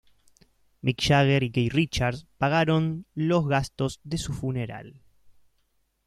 Mick Jagger y Keith Richards pagaron los gastos de su funeral.